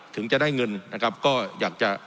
ถึงจะได้เงินนะครับก็อยากจะ